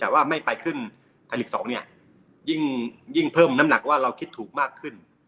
แต่ว่าไม่ไปขึ้นไทยลีก๒เนี่ยยิ่งเพิ่มน้ำหนักว่าเราคิดถูกมากขึ้น